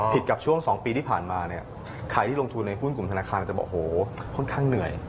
กับช่วง๒ปีที่ผ่านมาเนี่ยใครที่ลงทุนในหุ้นกลุ่มธนาคารจะบอกโหค่อนข้างเหนื่อย